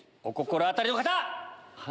お心当たりの方！